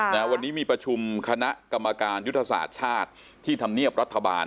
นะวันนี้มีประชุมคณะกรรมการยุทธศาสตร์ชาติที่ทำเนียบรัฐบาล